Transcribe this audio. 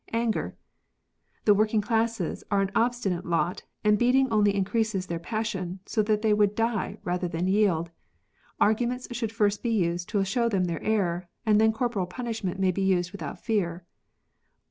anger. [The working classes are an obstinate lot and beating only increases their passion, so that they would die rather than yield. Arguments should first be used to show them their error, and then corporal punishment may be used without fear.